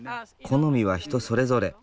好みは人それぞれ。